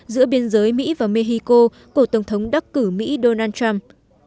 giữa biên giới mỹ và mexico của tổng thống đắc cử mỹ donald trump